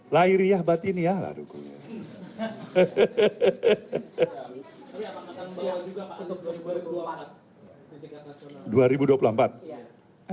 lahiriah batini ya lah dukungan